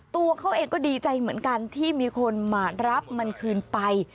ตัวเขาเองก็ดีใจเหมือนกันที่มีคนมารับมันคืนไป